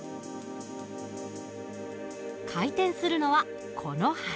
回転するのはこの柱。